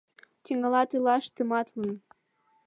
Тӱҥалат илаш тыматлын